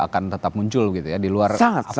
akan tetap muncul gitu ya di luar